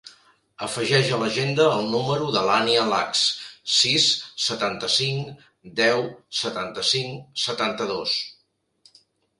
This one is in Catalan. Afegeix a l'agenda el número de l'Ànnia Lax: sis, setanta-cinc, deu, setanta-cinc, setanta-dos.